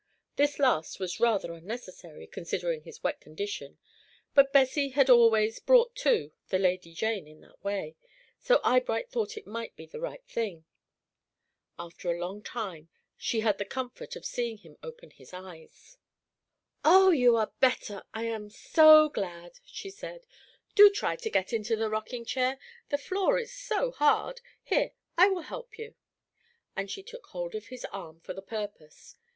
This last was rather unnecessary, considering his wet condition, but Bessie had always "brought to" the Lady Jane in that way, so Eyebright thought it might be the right thing. After a long time, she had the comfort of seeing him open his eyes. "Oh, you are better; I am so glad," she said, "Do try to get into the rocking chair. The floor is so hard. Here, I will help you." And she took hold of his arm for the purpose.